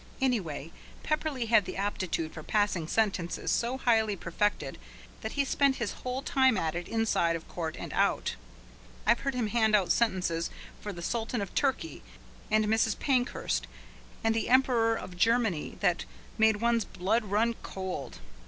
Anyway, Pepperleigh had the aptitude for passing sentences so highly perfected that he spent his whole time at it inside of court and out. I've heard him hand out sentences for the Sultan of Turkey and Mrs. Pankhurst and the Emperor of Germany that made one's blood run cold.